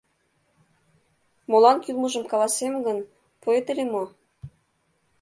— Молан кӱлмыжым каласем гын, пуэт ыле мо?